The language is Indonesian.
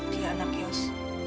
dia anak yos